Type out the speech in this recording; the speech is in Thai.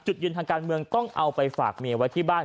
จุดยืนทางการเมืองต้องเอาไปฝากเมียไว้ที่บ้าน